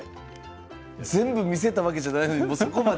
全部、見せたわけじゃないのに、そこまで。